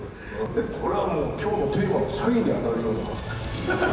これはもう、きょうのテーマの詐欺に当たるような。